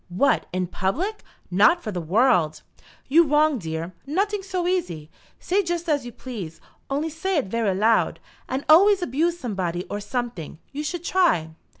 "What, in public! Not for the world!" "You wrong dere. Noting so easy. Say just as you please, only say it vera loud. And alvays abuse somebody or someting. You s'ould try."